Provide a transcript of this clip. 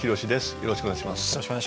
よろしくお願いします。